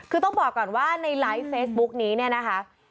คือต้องบอกก่อนว่าในไลฟ์เฟซบุ๊กนี้เนี่ยนะคะ